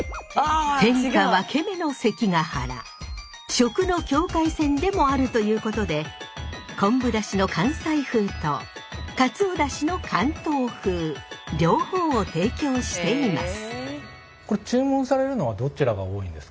食の境界線でもあるということで昆布だしの関西風とかつおだしの関東風両方を提供しています。